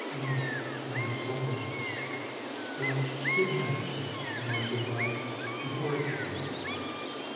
Abe nodded sulkily. "Well, take him out of here," Morris advised, "before I kick him out."